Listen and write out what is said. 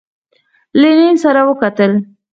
لینین سره وکتل.